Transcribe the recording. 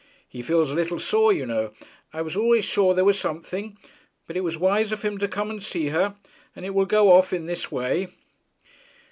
'He feels a little sore, you know. I was always sure there was something. But it was wise of him to come and see her, and it will go off in this way.'